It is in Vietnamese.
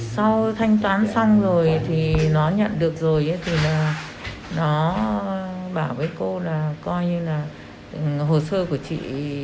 sau thanh toán xong rồi thì nó nhận được rồi thì là nó bảo với cô là coi như là hồ sơ của chị